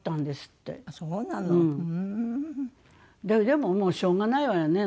でももうしょうがないわよね。